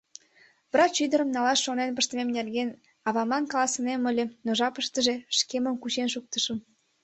Врач ӱдырым налаш шонен пыштымем нерген авамлан каласынем ыле, но жапыштыже шкемым кучен шуктышым.